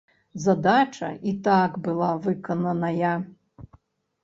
Задача і так была выкананая.